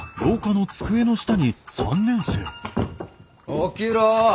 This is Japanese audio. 起きろ！